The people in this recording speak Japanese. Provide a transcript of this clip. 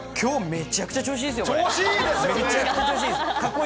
めちゃくちゃ調子いいです。